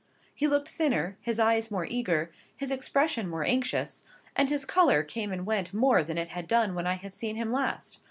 He looked thinner, his eyes more eager, his expression more anxious, and his colour came and went more than it had done when I had seen him last.